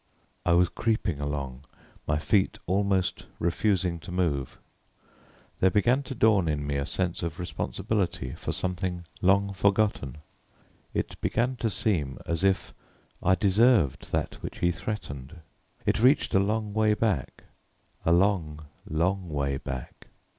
I was creeping along, my feet almost refusing to move. There began to dawn in me a sense of responsibility for something long forgotten. It began to seem as if I deserved that which he threatened: it reached a long way back a long, long way back.